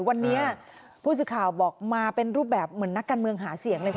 วันนี้ผู้สื่อข่าวบอกมาเป็นรูปแบบเหมือนนักการเมืองหาเสียงเลยค่ะ